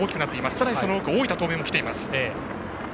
さらに、その奥大分東明も来ています。